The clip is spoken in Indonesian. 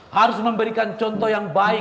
harus memberikan contoh yang baik